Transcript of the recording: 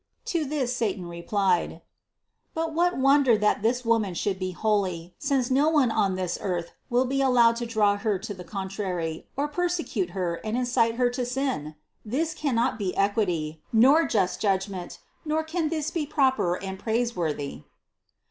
127. To this satan replied: "But what wonder that this Woman should be holy, since no one on this earth THE CONCEPTION 121 will be allowed to draw Her to the contrary, or perse cute Her and incite Her to sin ? This cannot be equity, nor just judgment, nor can this be proper and praise worthy."